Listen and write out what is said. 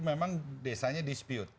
memang desanya dispute